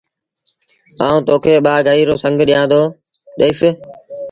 آئوٚݩ تو کي ٻآگھيٚ رو سنڱ ڏئيٚس ۔